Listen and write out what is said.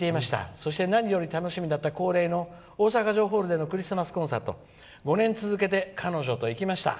そして何より楽しみだった大阪城ホールでのクリスマスコンサート５年続けて彼女と行きました。